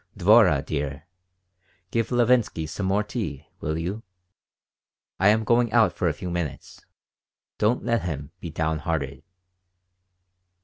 "Dvorah dear, give Levinsky some more tea, will you? I am going out for a few minutes. Don't let him be downhearted."